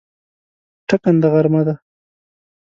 ټکنده غرمه ده